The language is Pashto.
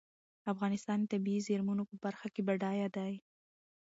افغانستان د طبیعي زېرمونو په برخه کې بډای دی.